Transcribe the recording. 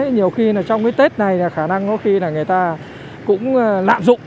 nhiều khi trong cái tết này khả năng có khi là người ta cũng lạm dụng